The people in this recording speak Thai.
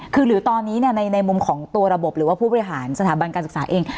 คือหรือตอนนี้ในมุมของตัวระบบหรือว่าผู้บริหารสถาบันการศึกษาเอง